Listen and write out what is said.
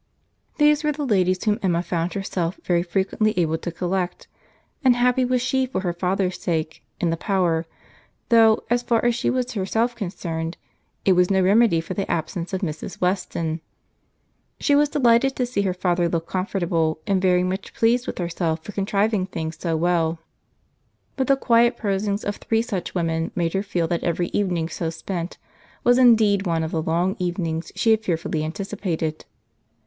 These were the ladies whom Emma found herself very frequently able to collect; and happy was she, for her father's sake, in the power; though, as far as she was herself concerned, it was no remedy for the absence of Mrs. Weston. She was delighted to see her father look comfortable, and very much pleased with herself for contriving things so well; but the quiet prosings of three such women made her feel that every evening so spent was indeed one of the long evenings she had fearfully anticipated.